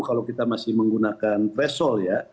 kalau kita masih menggunakan threshold ya